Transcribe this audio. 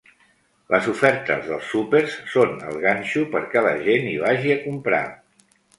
Les ofertes dels súpers són el ganxo perquè la gent hi vagi a comprar.